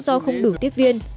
do không đủ tiếp viên